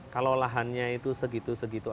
kalau lahannya itu segitu segitu